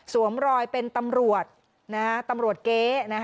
รอยเป็นตำรวจตำรวจเก๊